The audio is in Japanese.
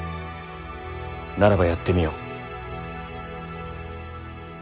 ならばやってみよ。